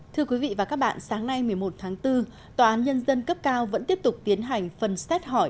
thưa quý vị và các bạn sáng nay một mươi một tháng bốn tòa án nhân dân cấp cao vẫn tiếp tục tiến hành phần xét hỏi